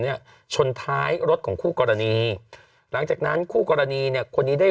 เนี่ยชนท้ายรถของคู่กรณีหลังจากนั้นคู่กรณีเนี่ยคนนี้ได้